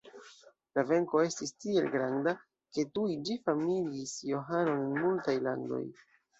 La venko estis tiel granda, ke tuj ĝi famigis Johanon en multaj landoj.